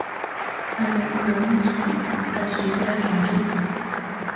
I might groan and squeak, but I'll see what I can do.